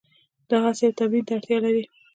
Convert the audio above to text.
دا هڅې او تمرین ته اړتیا لري.